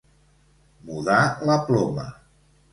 Mudar la ploma.